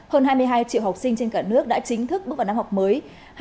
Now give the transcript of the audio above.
hơn hai mươi hai triệu học sinh trên cả nước đã chính thức bước vào năm học mới